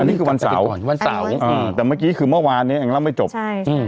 อันนี้คือวันเสาร์อันนี้คือวันเสาร์อ่าแต่เมื่อกี้คือเมื่อวานเนี้ยอังกฤษไม่จบใช่อืม